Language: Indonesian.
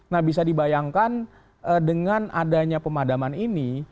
nah bisa dibayangkan dengan adanya pemadaman ini